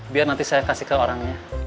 biar nanti saya kasih ke orangnya